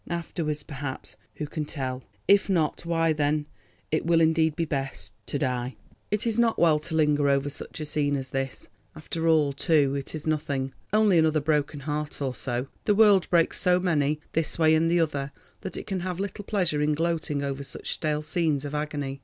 Afterwards—perhaps—who can tell? If not, why then—it will indeed be best—to die." It is not well to linger over such a scene as this. After all, too, it is nothing. Only another broken heart or so. The world breaks so many this way and the other that it can have little pleasure in gloating over such stale scenes of agony.